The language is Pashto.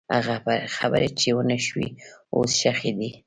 هغه خبرې چې ونه شوې، اوس ښخې دي.